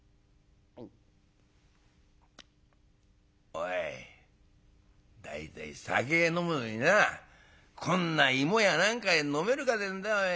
「おい大体酒飲むのになこんな芋や何かで飲めるかてんでお前。